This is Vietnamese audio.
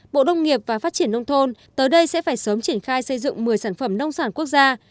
bộ nông nghiệp và phát triển nông thôn tới đây sẽ phải sớm triển khai xây dựng một mươi sản phẩm nông sản quốc gia